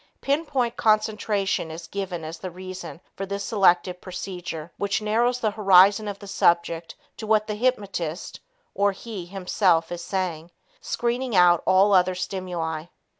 Pin point concentration is given as the reason for this selective procedure which narrows the horizon of the subject to what the hypnotist (or he, himself) is saying, screening out all other stimuli.